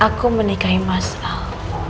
aku menikahi mas al